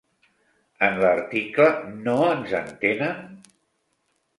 En l'article "No ens entenen?"